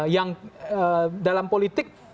yang dalam politik